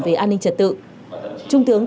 về an ninh trật tự trung tướng